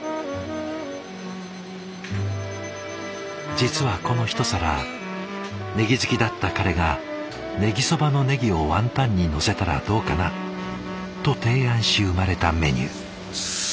実はこの一皿ねぎ好きだった彼が「ねぎそばのねぎをワンタンにのせたらどうかな？」と提案し生まれたメニュー。